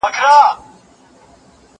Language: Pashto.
زه له سهاره د کتابتون لپاره کار کوم!؟